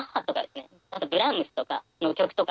あとブラームスとかの曲とか。